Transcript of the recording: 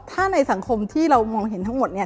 ถ้าในสังคมที่เรามองเห็นทั้งหมดเนี่ย